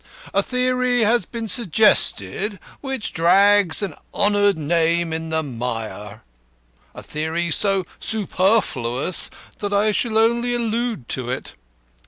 A theory has been suggested which drags an honoured name in the mire a theory so superflous that I shall only allude to it.